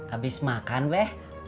abis makan be